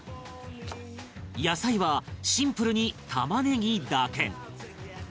野菜はシンプルに玉ねぎだけ